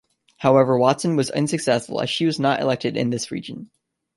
However, Watson was unsuccessful as she was not elected in this region.